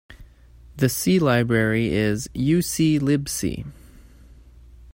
The C-library is uClibc.